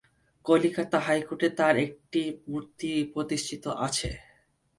কলিকাতা হাইকোর্টে তার একটি মুর্তি প্রতিষ্ঠিত আছে।